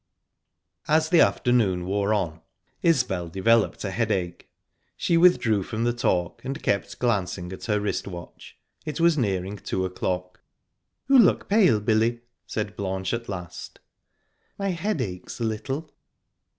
As the afternoon wore on, Isbel developed a headache. She withdrew from the talk, and kept glancing at her wrist watch; it was nearing two o'clock. "You look pale, Billy," said Blanche at last. "My head aches a little."